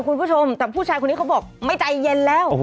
คุณผู้ชมแต่ผู้ชายคนนี้เขาบอกไม่ใจเย็นแล้ว